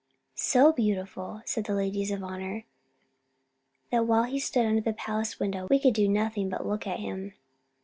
"So beautiful," said the ladies of honour, "that while he stood under the palace window we could do nothing but look at him."